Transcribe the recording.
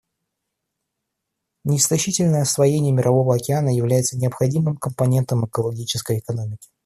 Неистощительное освоение Мирового океана является необходимым компонентом экологичной экономики.